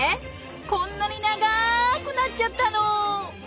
こんなに長くなっちゃったの！